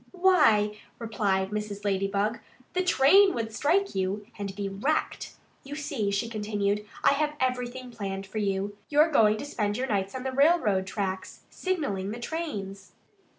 "Why," replied Mrs. Ladybug, "the train would strike you and be wrecked. You see," she continued, "I have everything planned for you. You're going to spend your nights on the railroad tracks, signalling the trains."